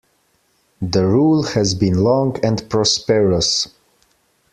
The rule has been long and prosperous.